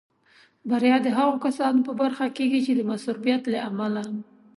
بریا د هغو کسانو په برخه کېږي چې د مصروفیت له امله.